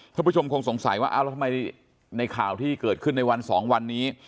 คุณผู้ชมคงสงสัยว่าอ้าวแล้วทำไมในข่าวที่เกิดขึ้นในวันสองวันนี้